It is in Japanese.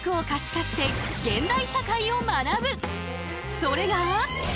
それが。